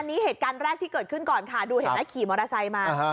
อันนี้เหตุการณ์แรกที่เกิดขึ้นก่อนค่ะดูเห็นไหมขี่มอเตอร์ไซค์มา